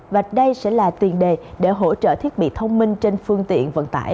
và đây sẽ là tiền đề để hỗ trợ thiết bị thông minh trên phương tiện vận tải